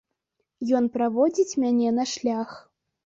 Ён праводзіць мяне на шлях.